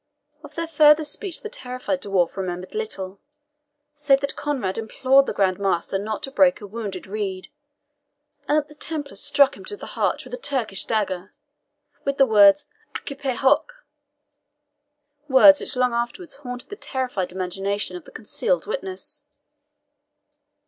Of their further speech the terrified dwarf remembered little, save that Conrade implored the Grand Master not to break a wounded reed, and that the Templar struck him to the heart with a Turkish dagger, with the words ACCIPE HOC! words which long afterwards haunted the terrified imagination of the concealed witness.